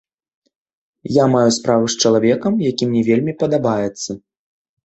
Я маю справу з чалавекам, які мне вельмі падабаецца.